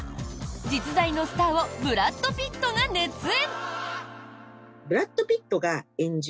実在のスターをブラッド・ピットが熱演！